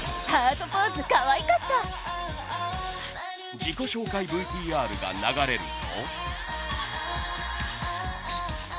自己紹介ＶＴＲが流れると。